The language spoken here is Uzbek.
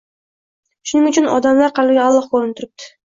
Shuning uchun odamlar qalbiga “Alloh ko‘rib turibdi.